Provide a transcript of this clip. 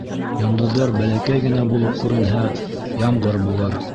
Йондоҙҙар бәләкәй генә булып күренһә, ямғыр булыр.